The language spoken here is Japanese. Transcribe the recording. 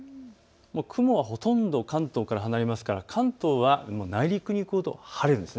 雲はほとんど関東から離れますから関東は内陸に行くほど晴れます。